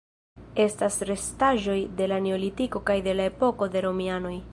Estas restaĵoj de la Neolitiko kaj de la epoko de romianoj.